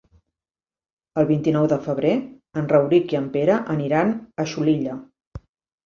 El vint-i-nou de febrer en Rauric i en Pere aniran a Xulilla.